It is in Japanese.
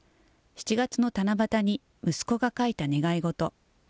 ７月の七夕に息子が書いた願い事。